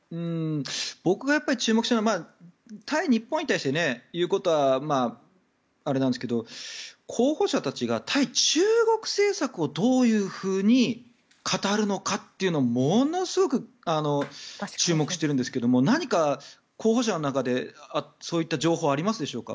僕が注目しているのは対日本に対して言うことはあれなんですが候補者たちが対中国政策をどういうふうに語るのかというのをものすごく注目しているんですが何か候補者の中でそういった情報はありますでしょうか。